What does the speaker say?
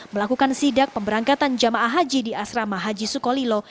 melakukan sidak pemberangkatan jamaah haji di asrama haji sukolilo